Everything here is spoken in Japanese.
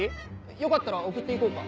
よかったら送っていこうか？